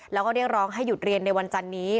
แล้วก็เรียกร้องให้หยุดเรียนในวันจันนี้